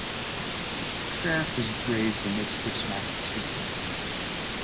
Ferrick was raised in Ipswich, Massachusetts.